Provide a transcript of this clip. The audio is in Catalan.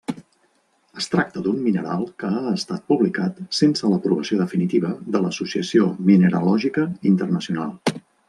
Es tracta d'un mineral que ha estat publicat sense l'aprovació definitiva de l'Associació Mineralògica Internacional.